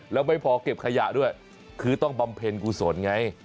แล้วไม่พอเก็บขยะด้วยคือต้องบำเพ็ญกุศลไง